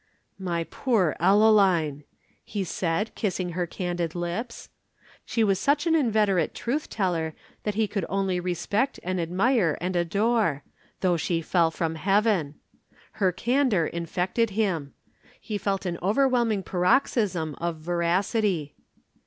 "My poor Ellaline!" he said, kissing her candid lips. She was such an inveterate truth teller that he could only respect and admire and adore though she fell from heaven. Her candor infected him. He felt an overwhelming paroxysm of veracity.